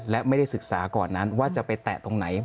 และไม่ได้ศึกษาก่อนนั้นว่าจะไปแตะตรงไหน